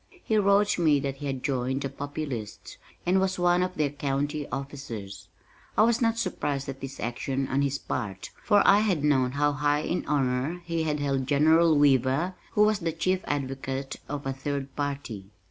He wrote me that he had joined "the Populists," and was one of their County officers. I was not surprised at this action on his part, for I had known how high in honor he held General Weaver who was the chief advocate of a third party.